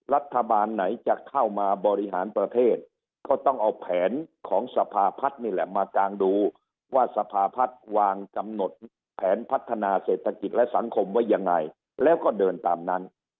รัฐบาลไหนจะเข้ามาบริหารประเทศก็ต้องเอาแผนของสภาพัฒน์นี่แหละมากางดูว่าสภาพัฒน์วางกำหนดแผนพัฒนาเศรษฐกิจและสังคมไว้ยังไงแล้วก็เดินตามนั้น